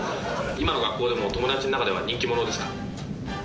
今の学校でも、友達の中では人気者ですか？